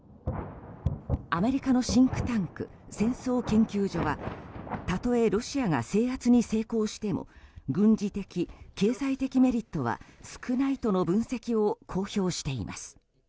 アメリカのシンクタンク戦争研究所はたとえロシアが制圧に成功しても軍事的、経済的メリットは少ないとの分析を公表しています。